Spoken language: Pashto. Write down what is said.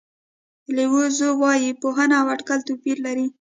لیو زو وایي پوهه او اټکل توپیر لري.